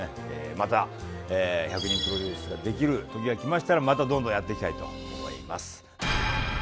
また１００人プロデュースができる時がきましたらまたどんどんやっていきたいと思います。